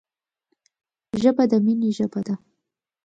ژبه د مینې ژبه ده